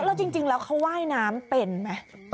แล้วจริงแล้วเขาว่ายน้ำเป็นไหม